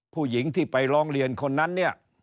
ผู้หญิงที่ไปร้องเรียนคนนั้นเนี่ย